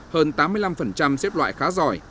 hơn tám mươi năm xếp loại khá giỏi